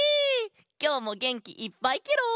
きょうもげんきいっぱいケロ！